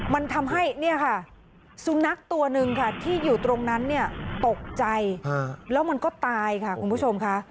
มันทำให้สุนัขตัวนึงที่อยู่ตรงนั้นตกใจแล้วมันก็ตายค่ะคุณผู้ชมค่ะ